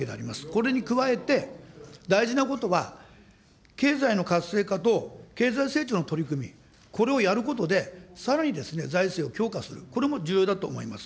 これに加えて、大事なことは、経済の活性化と経済成長の取り組み、これをやることで、さらに財政を強化する、これも重要だと思います。